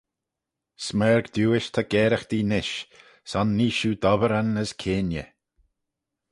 Smerg diuish ta garaghtee nish: son nee shiu dobberan as keayney.